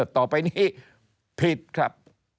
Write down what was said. ต่อไปนี้ผิดครับ